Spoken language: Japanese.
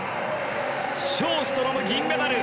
ショーストロムは銀メダル。